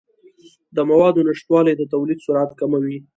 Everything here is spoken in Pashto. د موادو نشتوالی د تولید سرعت کموي.